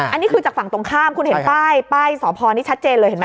อันนี้คือจากฝั่งตรงข้ามคุณเห็นป้ายป้ายสพนี้ชัดเจนเลยเห็นไหม